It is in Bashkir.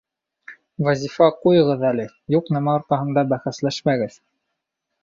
Вазифа, ҡуйығыҙ әле, юҡ нәмә арҡаһында бәхәсләшмәгеҙ!